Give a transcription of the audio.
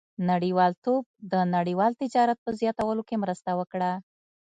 • نړیوالتوب د نړیوال تجارت په زیاتوالي کې مرسته وکړه.